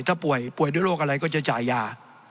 ถ้าป่วยป่วยด้วยโรคอะไรก็จะจ่ายยา